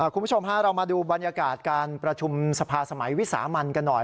คุณผู้ชมฮะเรามาดูบรรยากาศการประชุมสภาสมัยวิสามันกันหน่อย